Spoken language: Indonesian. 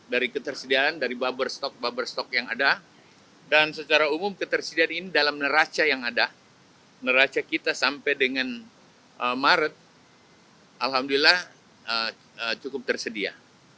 dengan maret alhamdulillah cukup tersedia